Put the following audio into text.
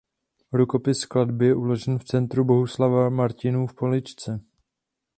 Rukopis skladby je uložen v Centru Bohuslava Martinů v Poličce.